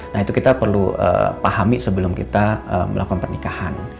nah itu kita perlu pahami sebelum kita melakukan pernikahan